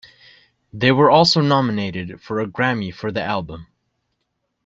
They were also nominated for a Grammy for the album.